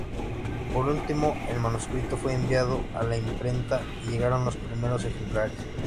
Por último, el manuscrito fue enviado a la imprenta y llegaron los primeros ejemplares.